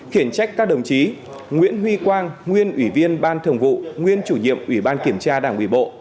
khiển trách các đồng chí nguyễn huy quang nguyên ủy viên ban thường vụ nguyên chủ nhiệm ủy ban kiểm tra đảng ủy bộ